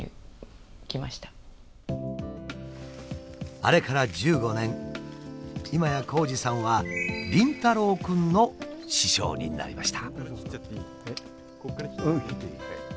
あれから１５年今や紘二さんは凛太郎くんの師匠になりました。